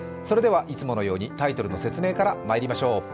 いつものようにタイトルの説明からまいりましょう。